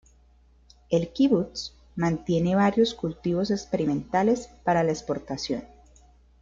El "kibutz" mantiene varios cultivos experimentales para la exportación.